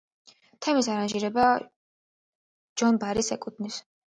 თემის არანჟირება ჯონ ბარის ეკუთვნის.